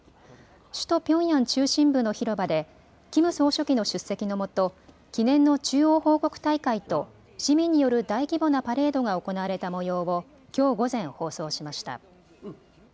首都ピョンヤン中心部の広場でキム総書記の出席のもと記念の中央報告大会と市民による大規模なパレードが行われたもようをきょう午前、放送しました。